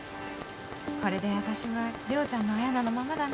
これで私は涼ちゃんのあやなのままだね。